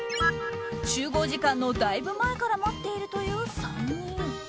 集合時間のだいぶ前から待っているという３人。